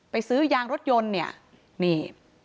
ซื้อยางรถยนต์เนี่ยนี่